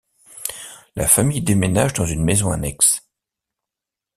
La famille déménage dans une maison annexe.